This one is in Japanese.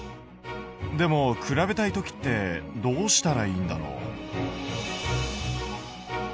でも比べたい時ってどうしたらいいんだろう。